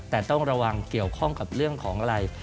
แต่ต้องระวังเกี่ยวข้องกับเรื่องของอะไร